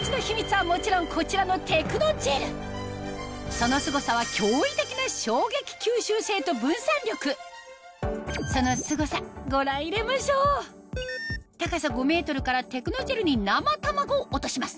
そのすごさは驚異的な衝撃吸収性と分散力そのすごさご覧入れましょう高さ５ｍからテクノジェルに生卵を落とします